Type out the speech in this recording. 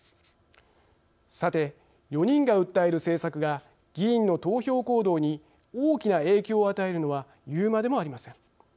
さて、４人が訴える政策が議員の投票行動に大きな影響を与えるのは言うまでもありません。